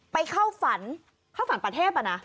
ไปเข้าฝันเข้าฝันประเทศอะนะ